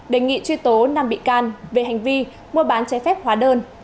đề nghị truy tố năm bị can về hành vi mua bán trái phép hóa đơn